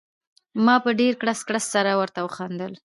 ما په ډېر کړس کړس سره ورته وخندل.